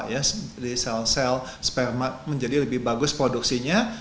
jadi sel sel sperma menjadi lebih bagus produksinya